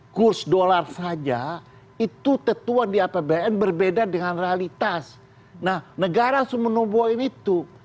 kursus dollar saja itu tetuan di apbn berbeda dengan realitas nah negara sumenobo ini tuh